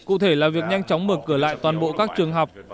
cụ thể là việc nhanh chóng mở cửa lại toàn bộ các trường học